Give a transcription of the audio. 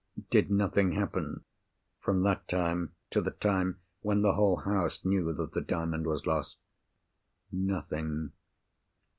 "Did nothing happen—from that time, to the time when the whole house knew that the Diamond was lost?" "Nothing."